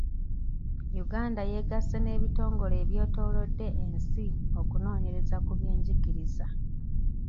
Uganda yeggase n'ebitongole ebyetoolodde ensi okunonyereza ku by'enjigiriza .